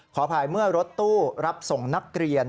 ขออภัยเมื่อรถตู้รับส่งนักเรียน